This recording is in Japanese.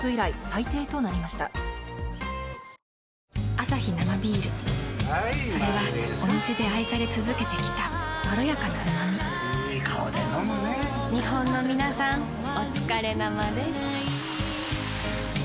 アサヒ生ビールそれはお店で愛され続けてきたいい顔で飲むね日本のみなさんおつかれ生です。